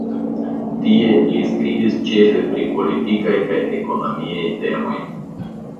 Tie li skribis ĉefe pri politikaj kaj ekonomiaj temoj.